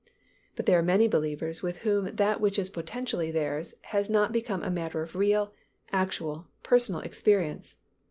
But there are many believers with whom that which is potentially theirs has not become a matter of real, actual, personal experience.